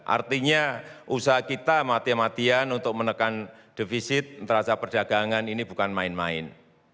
artinya usaha kita mati matian untuk menekan defisit neraca perdagangan ini bukan main main